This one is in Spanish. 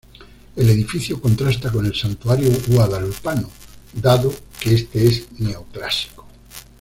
El edificio contrasta con el Santuario Guadalupano, dado que este es neoclásico.